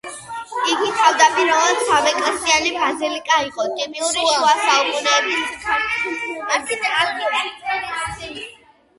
იგი თავდაპირველად სამეკლესიიანი ბაზილიკა იყო, ტიპური შუა საუკუნეების ქართული არქიტექტურისთვის.